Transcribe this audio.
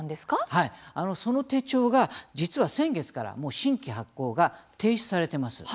はい、その手帳が実は先月からもう新規発行が停止されてます。